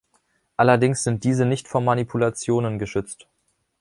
Allerdings sind diese nicht vor Manipulationen geschützt.